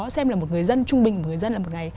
xem là một người dân trung bình một người dân là một người